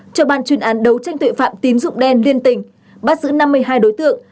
cho ban chuyên án đấu tranh tội phạm tín dụng đen liên tỉnh bắt giữ năm mươi hai đối tượng